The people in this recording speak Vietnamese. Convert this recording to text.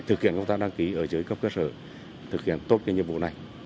thực hiện công tác đăng ký ở dưới cấp cơ sở thực hiện tốt cái nhiệm vụ này